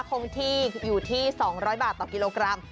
คงที่อยู่ที่๒๐๐บาทต่อกิโลกรัม